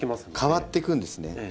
変わっていくんですね。